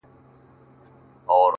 ياد مي دي تا چي شنه سهار كي ويل’